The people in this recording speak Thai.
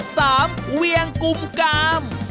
สามเวียงกุมกาม